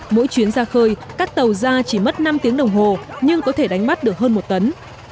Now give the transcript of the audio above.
mỗi chuyến ra khơi các tàu ra chỉ mất năm tiếng đồng hồ nhưng có thể đánh bắt được hơn một tấn